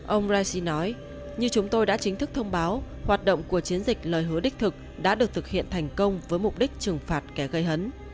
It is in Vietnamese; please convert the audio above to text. ông raisi nói như chúng tôi đã chính thức thông báo hoạt động của chiến dịch lời hứa đích thực đã được thực hiện thành công với mục đích trừng phạt kẻ gây hấn